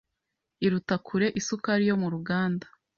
iruta kure isukari yo mu ruganda